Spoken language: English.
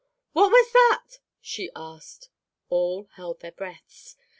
"What was that?" she asked. All held their breaths.